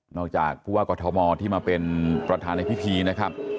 จากผู้ว่ากอทมที่มาเป็นประธานในพิธีนะครับ